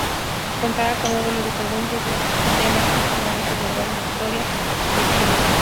Contaba con módulos de preguntas de temas matemáticas, verbal e historia de Chile.